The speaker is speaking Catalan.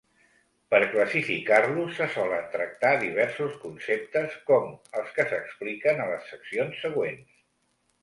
Per classificar-los, se solen tractar diversos conceptes com els que s'expliquen a les seccions següents.